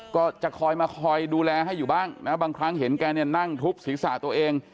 ก็จะคอยมาคอยดูแลให้อยู่บ้างนะบางครั้งเห็นแกเนี่ยนั่งทุบศีรษะตัวเอง